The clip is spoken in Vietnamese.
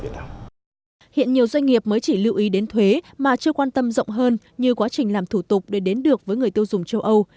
hiện nhiều doanh nghiệp mới chỉ lưu ý đến thuế mà chưa quan tâm rộng hơn như quá trình làm thủ tục để đến được với người tiêu dùng châu âu